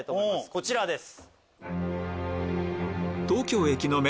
こちらです。